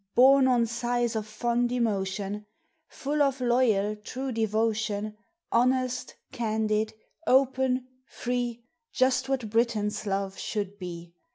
Borne on sighs of fond emotion; Full of loyal, true devotion; Honest, candid, open, free, Just what Britons' love should be.